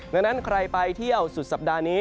ดังนั้นใครไปเที่ยวสุดสัปดาห์นี้